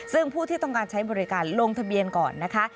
ซึ่งผู้ที่ต้องการใช้บริการลงทะเบียนก่อนนะคะ